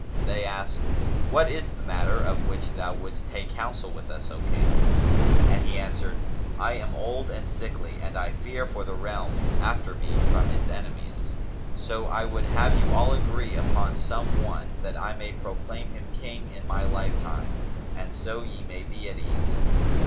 They asked, "What is the matter of which thou wouldst take counsel with us, O King?"; and he answered, "I am old and sickly and I fear for the realm after me from its enemies; so I would have you all agree upon some one, that I may proclaim him King in my lifetime and so ye may be at ease."